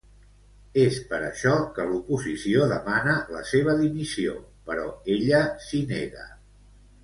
És per això que l'oposició demana la seva dimissió, però ella s'hi nega.